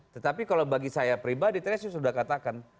tetapi kalau bagi saya pribadi saya sudah katakan